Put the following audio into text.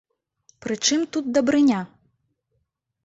Пры чым тут дабрыня?